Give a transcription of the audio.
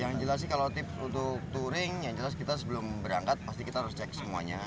yang jelas sih kalau tips untuk touring yang jelas kita sebelum berangkat pasti kita harus cek semuanya